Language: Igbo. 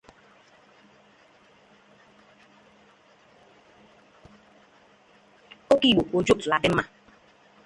Okigbo Ojoto ladị mma.